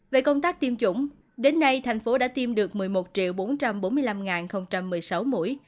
về công tác tiêm chủng đến nay thành phố đã tiêm được một mươi một bốn trăm bốn mươi năm một mươi sáu mũi